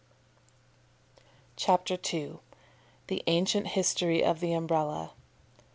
CHAPTER II. THE ANCIENT HISTORY OF THE UMBRELLA.